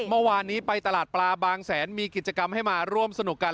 เมื่อวานนี้ไปตลาดปลาบางแสนมีกิจกรรมให้มาร่วมสนุกกัน